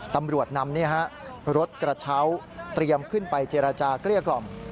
ตำรวจนำรถกระเช้าเตรียมขึ้นไปเจรจาเกลี้ยกล่อม